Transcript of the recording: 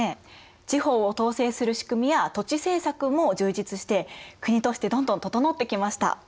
地方を統制する仕組みや土地政策も充実して国としてどんどん整ってきました。